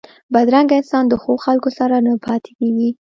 بدرنګه انسان د ښو خلکو سره نه پاتېږي